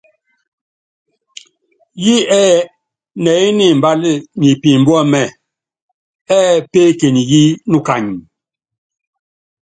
Yí ɛ́ɛ nɛɛyɛ́ ni imbal nyɛ pimbuɛ́mɛ, ɛ́ɛ peekenyi yí nukany.